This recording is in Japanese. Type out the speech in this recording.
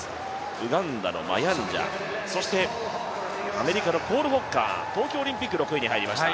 ウガンダのマヤンジャ、アメリカのコール・ホッカー東京オリンピックで６位に入りました。